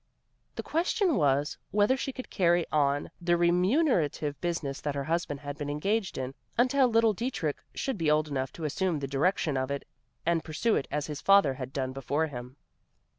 The question was, whether she could carry on the remunerative business that her husband had been engaged in, until little Dietrich should be old enough to assume the direction of it, and pursue it as his father had done before him.